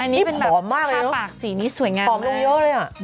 นี่มันผอมมากหนูธาปากสีนี้สวยงามมาก